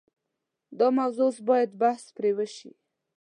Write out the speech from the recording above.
دا موضوع اوس باید بحث پرې وشي.